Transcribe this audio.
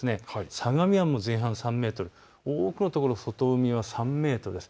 相模湾も前半３メートル、多くの所、外海は３メートルです。